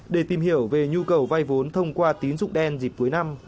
để tìm hiểu về nhu cầu vay vốn thông qua tín dụng đen dịp cuối năm